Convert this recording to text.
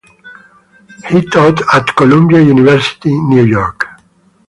He taught at Columbia University, New York.